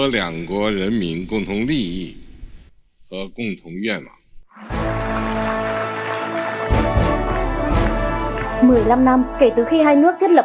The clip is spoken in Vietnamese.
một mươi năm năm kể từ khi hai nước thiết lập